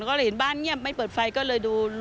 ก็เลยเห็นบ้านเงียบไม่เปิดไฟก็เลยดู